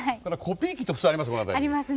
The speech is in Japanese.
コピー機って普通あります